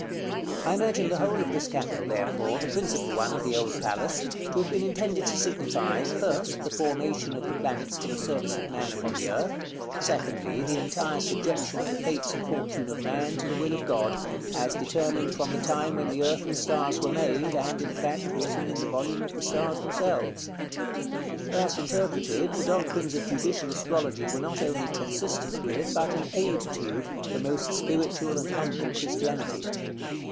I imagine the whole of this capital, therefore the principal one of the old palace, to have been intended to signify, first, the formation of the planets for the service of man upon the earth; secondly, the entire subjection of the fates and fortune of man to the will of God, as determined from the time when the earth and stars were made, and, in fact, written in the volume of the stars themselves. Thus interpreted, the doctrines of judicial astrology were not only consistent with, but an aid to, the most spiritual and humble Christianity.